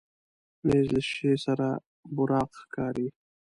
مېز له شیشې سره براق ښکاري.